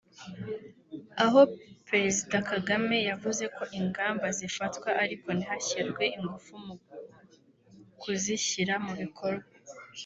aho Perezida Kagame yavuze ko ingamba zifatwa ariko ntihashyirwe ingufu mu kuzishyira mu bikorwa